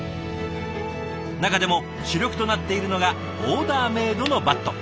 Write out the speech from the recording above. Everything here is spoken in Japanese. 中でも主力となっているのがオーダーメイドのバット。